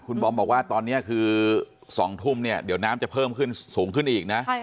คุณบอมบอกว่าตอนนี้คือ๒ทุ่มเนี่ยเดี๋ยวน้ำจะเพิ่มขึ้นสูงขึ้นอีกนะ